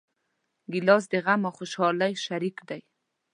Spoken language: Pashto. ګیلاس د غم او خوشحالۍ شریک دی.